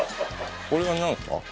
これはなんですか？